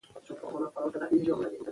هغه چې پاتې ول، آوار لړزېدل.